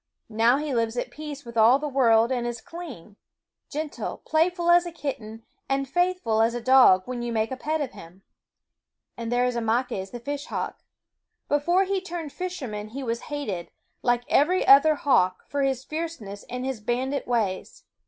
Now he lives at peace with all the world and is clean, gentle, playful as a kitten and faithful as a dog when you make a pet of him. And there is Ismaques the fishhawk. Before he turned fisherman he was hated, like every other hawk, for his fierceness and his bandit ways.